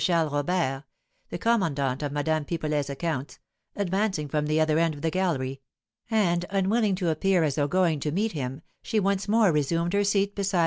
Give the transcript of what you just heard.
Charles Robert (the commandant of Madame Pipelet's accounts) advancing from the other end of the gallery; and, unwilling to appear as though going to meet him, she once more resumed her seat beside M.